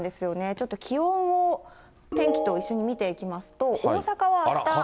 ちょっと気温を、天気と一緒に見ていきますと、大阪はあした。